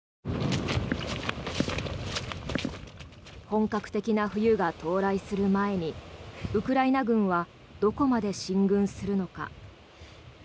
本格的な冬が到来する前にウクライナ軍はどこまで進軍するのか。